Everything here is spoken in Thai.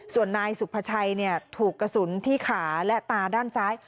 ส่วนนายสุภาชัยถูกกระสุนที่ขาและตาด้านซ้าย